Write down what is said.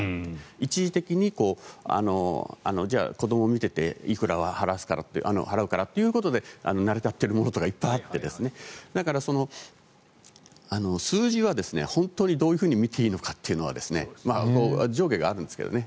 一時的に、子どもを見てていくら払うからということで成り立っているものとかいっぱいあってだから数字は本当にどういうふうに見ていいのかというのは上下があるんですけどね。